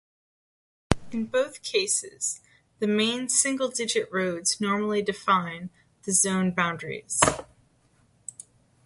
In both cases the main single-digit roads normally define the zone boundaries.